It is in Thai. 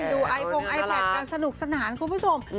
ดูไอฟงไอแพทกันสนุกสนานคุณผู้ชม